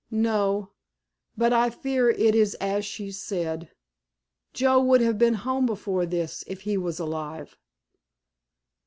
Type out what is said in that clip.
"No, but I fear it is as she said. Joe would have been home before this if he was alive."